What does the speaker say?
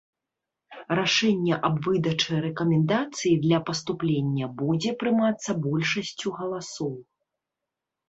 Рашэнне аб выдачы рэкамендацыі для паступлення будзе прымацца большасцю галасоў.